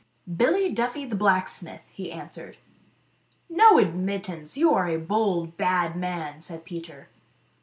" Billy Duffy the blacksmith," he answered. " No admittance ! You are a bold, bad man," said St. Peter.